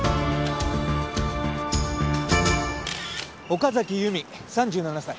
岡崎由美３７歳。